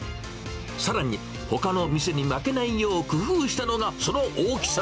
さらに、ほかの店に負けないよう工夫したのがその大きさ。